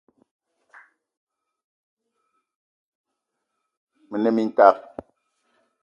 Me ne mintak